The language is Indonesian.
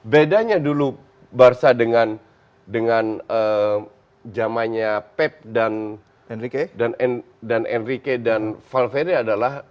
bedanya dulu barca dengan jamannya pep dan enrique dan valvery adalah